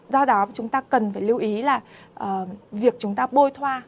do đó chúng ta cần phải lưu ý là việc chúng ta bôi thoa